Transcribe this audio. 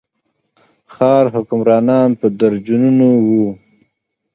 ښار حکمرانان په درجنونو وو.